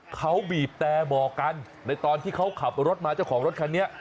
เขาบีบแต่บอกกันในตอนที่เขาขับรถมาเจ้าของรถคันนี้